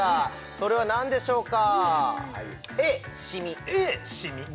それは何でしょうか？